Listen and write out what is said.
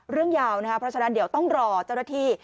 ยาวนะครับเพราะฉะนั้นเดี๋ยวต้องรอเจ้าหน้าที่